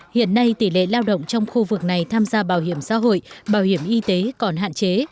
hiện nay tỷ lệ lao động trong khu vực này tham gia bảo hiểm xã hội bảo hiểm y tế còn hạn chế